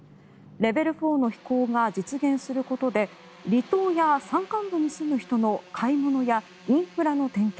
レベル４の飛行が実現することで離島や山間部に住む人の買い物やインフラの点検